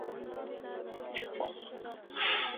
هغه د کابل د خلکو ملاتړ ترلاسه کړ.